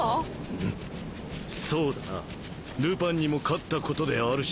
ウムそうだなルパンにも勝ったことであるし。